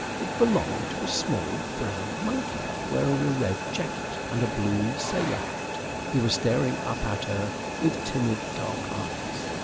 It belonged to a small brown monkey wearing a red jacket and a blue sailor hat. He was staring up at her with timid dark eyes.